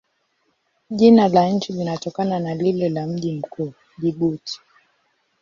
Jina la nchi linatokana na lile la mji mkuu, Jibuti.